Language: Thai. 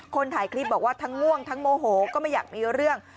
คนถ่ายคลิปบอกว่าทั้งง่วงทั้งโมโหก็ไม่อยากมีเรื่อง